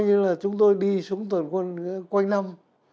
coi như là chúng tôi đi xuống tuần quân quanh năm